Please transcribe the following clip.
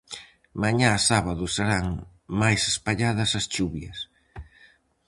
Mañá sábado serán máis espalladas as chuvias.